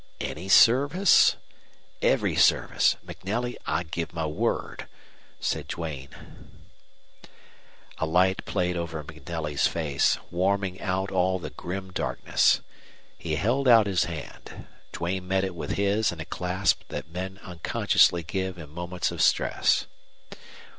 "Any service? Every service! MacNelly, I give my word," said Duane. A light played over MacNelly's face, warming out all the grim darkness. He held out his hand. Duane met it with his in a clasp that men unconsciously give in moments of stress.